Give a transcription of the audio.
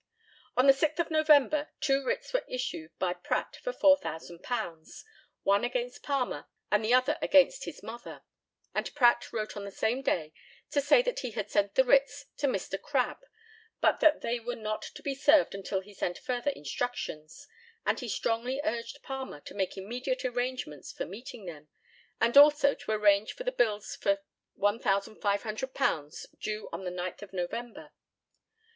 On the 6th of November, two writs were issued by Pratt for £4,000, one against Palmer and the other against his mother; and Pratt wrote on the same day to say that he had sent the writs to Mr. Crabbe, but that they were not to be served until he sent further instructions, and he strongly urged Palmer to make immediate arrangements for meeting them, and also to arrange for the bills for £1,500 due on the 9th of November.